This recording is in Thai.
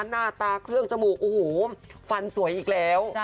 หน้าตาเครื่องจมูกโอ้โหฟันสวยอีกแล้ว